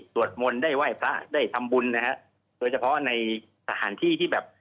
สวดมนต์ได้ไหว้พระได้ทำบุญนะฮะโดยเฉพาะในสถานที่ที่แบบ